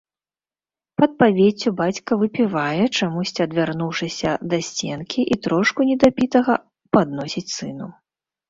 Пад павеццю бацька выпівае, чамусьці адвярнуўшыся да сценкі, і трошку недапітага падносіць сыну.